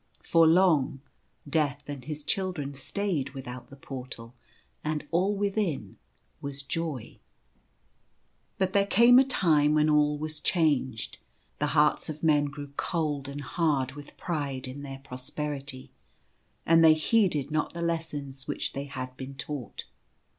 For long, Death and his Children stayed without the Portal and all within was joy. But there came a time when all was changed. The hearts of men grew cold and hard with pride in their prosperity, and they heeded not the lessons which they had been taught.